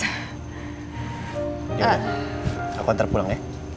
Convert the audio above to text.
yaudah aku antar pulang ya